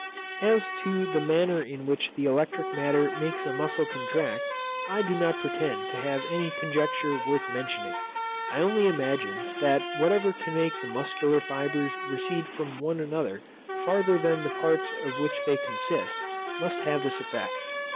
As to the manner in which the electric matter makes a muscle contract, I do not pretend to have any conjecture worth mentioning. I only imagine that whatever can make the muscular fibres recede from one another farther than the parts of which they consist, must have this effect.